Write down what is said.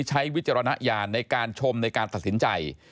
วิจารณญาณในการชมในการตัดสินใจ